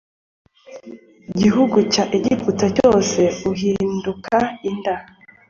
Gihugu cya egiputa cyose uhinduka inda